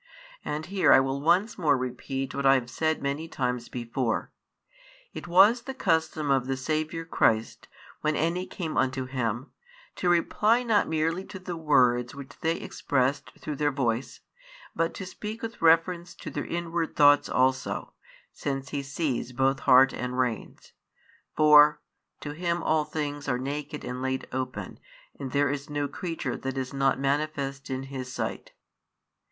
And here I will once more repeat what I have said many times before. It was the custom of the Saviour Christ, when any came unto Him, to reply not merely to the words which they expressed through their voice, but to speak with reference to their inward thoughts also, since He sees both heart and reins; for to Him all things are naked and laid open, and there is no creature that is not manifest in His sight.